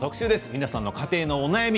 皆さんの家庭のお悩み